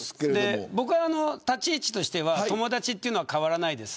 立ち位置としては友達というのは変わらないです。